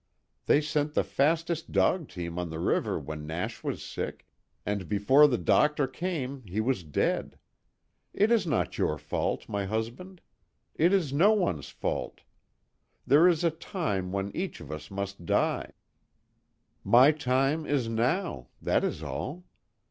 They sent the fastest dog team on the river when Nash was sick, and before the doctor came he was dead. It is not your fault, my husband. It is no one's fault. There is a time when each of us must die. My time is now. That is all."